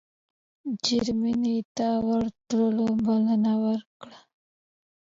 جرمني ته د ورتلو بلنه ورکړه.